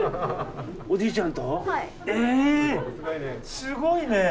すごいね。